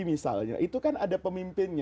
misalnya itu kan ada pemimpinnya